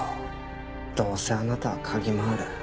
どうせあなたは嗅ぎ回る。